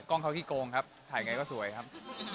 กล้องเขาขี้โกงครับถ่ายไงก็สวยครับ